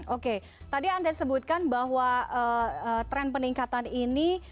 oke tadi anda sebutkan bahwa tren peningkatan ini